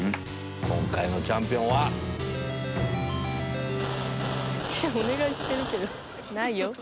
今回のチャンピオンは⁉お願いしてるけどないよ。